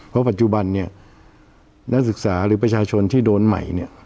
เพราะปัจจุบันเนี่ยนักศึกษาหรือประชาชนที่โดนใหม่เนี่ย